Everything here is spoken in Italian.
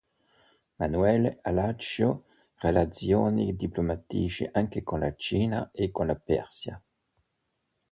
Manuele allacciò relazioni diplomatiche anche con la Cina e con la Persia.